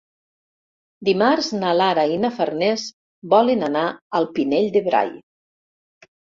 Dimarts na Lara i na Farners volen anar al Pinell de Brai.